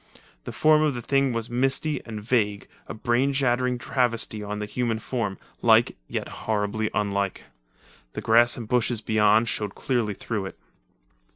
The form of the thing was misty and vague, a brain shattering travesty on the human form, like, yet horribly unlike. The grass and bushes beyond showed clearly through it.